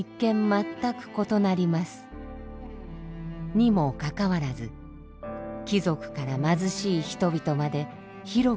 にもかかわらず貴族から貧しい人々まで広く信仰されました。